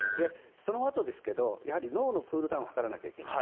そのあとですけどやはり脳のクールダウンを図らないといけない。